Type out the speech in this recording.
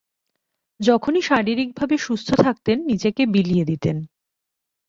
যখনই শারীরিকভাবে সুস্থ থাকতেন নিজেকে বিলিয়ে দিতেন।